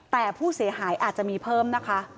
แต่ผู้เสียหายอาจจะมีเพิ่มนะคะ